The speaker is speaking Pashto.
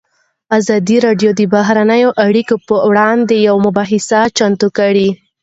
ازادي راډیو د بهرنۍ اړیکې پر وړاندې یوه مباحثه چمتو کړې.